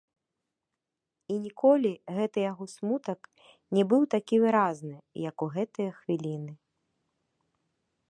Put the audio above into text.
І ніколі гэты яго смутак не быў такі выразны, як у гэтыя хвіліны.